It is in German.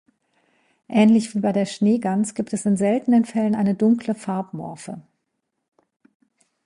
Ähnlich wie bei der Schneegans gibt es in seltenen Fällen eine dunkle Farbmorphe.